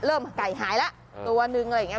ไก่หายแล้วตัวนึงอะไรอย่างนี้